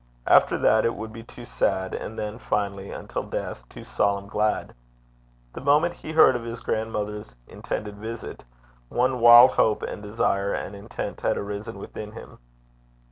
After that, it would be too sad, and then, finally, until death, too solemn glad. The moment he heard of his grandmother's intended visit, one wild hope and desire and intent had arisen within him.